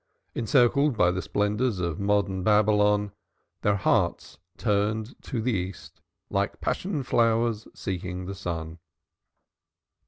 Encircled by the splendors of modern Babylon, their hearts turned to the East, like passion flowers seeking the sun.